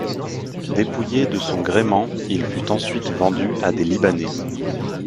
Dépouillée de son gréement, il fut ensuite vendu à des Libanais.